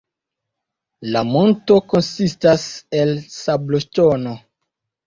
La monto konsistas el sabloŝtono.